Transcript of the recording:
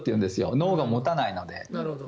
脳が持たないので。